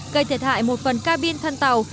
gây thiệt hại một phần ca bin thân tàu